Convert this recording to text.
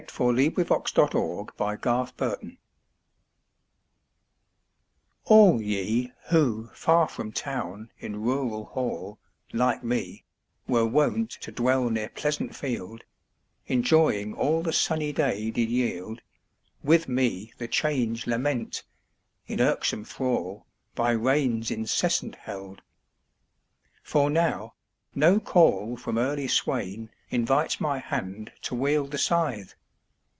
U V . W X . Y Z Sonnet on a Wet Summer ALL ye who far from town in rural hall, Like me, were wont to dwell near pleasant field, Enjoying all the sunny day did yield, With me the change lament, in irksome thrall, By rains incessant held; for now no call From early swain invites my hand to wield The scythe.